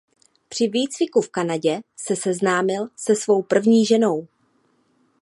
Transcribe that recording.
Při výcviku v Kanadě se seznámil se svou první ženou.